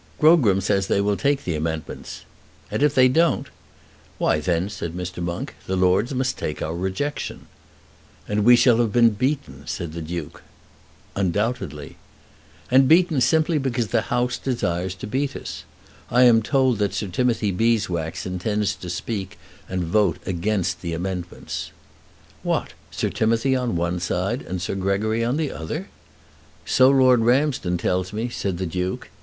"Grogram says they will take the amendments." "And if they don't?" "Why then," said Mr. Monk, "the Lords must take our rejection." "And we shall have been beaten," said the Duke. "Undoubtedly." "And beaten simply because the House desires to beat us. I am told that Sir Timothy Beeswax intends to speak and vote against the amendments." "What, Sir Timothy on one side, and Sir Gregory on the other?" "So Lord Ramsden tells me," said the Duke.